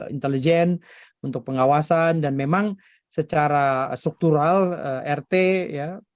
intelijen untuk pengawasan dan memang secara struktural rt ya